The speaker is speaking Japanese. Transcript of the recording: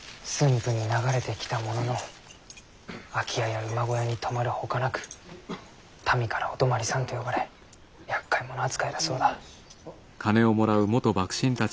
府に流れてきたものの空き家や馬小屋に泊まるほかなく民から「お泊まりさん」と呼ばれ厄介者扱いだそうだ。